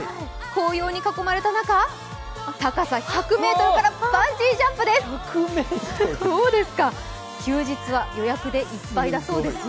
紅葉に囲まれた中高さ１００ｍからバンジージャンプです。